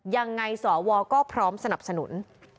ยังไงสวก็พร้อมสนับสนุน